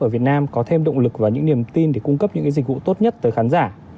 ở việt nam có thêm động lực và những niềm tin để cung cấp những cái dịch vụ tốt nhất tới khán giả